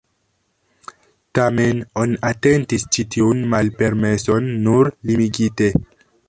Tamen oni atentis ĉi tiun malpermeson nur limigite.